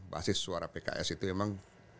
basis suara pks itu emang